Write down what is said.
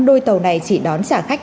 đôi tàu này chỉ đón trả khách